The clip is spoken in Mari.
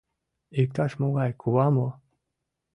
Иктаж-могай кува мо?..